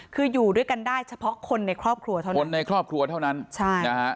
คืออยู่ด้วยกันได้เฉพาะคนในครอบครัวเท่านั้นคนในครอบครัวเท่านั้นใช่นะฮะ